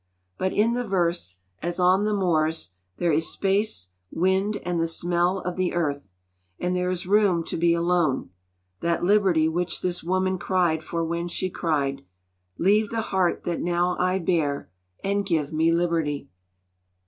But in the verse, as on the moors, there is space, wind, and the smell of the earth; and there is room to be alone, that liberty which this woman cried for when she cried: Leave the heart that now I bear, And give me liberty.